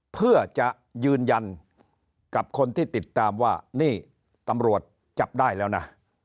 เพื่อจะยืนยันกับคนที่ติดตามว่านี่ตำรวจจับได้แล้วนะ